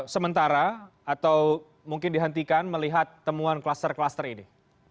sementara atau mungkin dihentikan melihat temuan kluster kluster ini